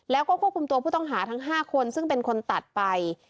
แล้วก็ควบคุมตัวผู้ต้องหาทั้ง๕คนซึ่งเป็นคนตัดไป